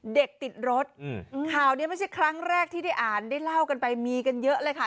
ติดรถข่าวนี้ไม่ใช่ครั้งแรกที่ได้อ่านได้เล่ากันไปมีกันเยอะเลยค่ะ